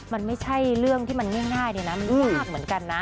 มันไม่ใช่เรื่องที่มันง่ายเลยนะมันยากเหมือนกันนะ